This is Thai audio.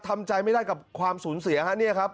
ทำใจไม่ได้กับความสูญเสียฮะเนี่ยครับ